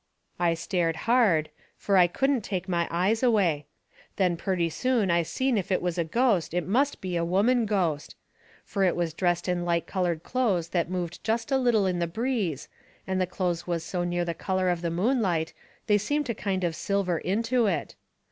I stared hard, fur I couldn't take my eyes away. Then purty soon I seen if it was a ghost it must be a woman ghost. Fur it was dressed in light coloured clothes that moved jest a little in the breeze, and the clothes was so near the colour of the moonlight they seemed to kind of silver into it.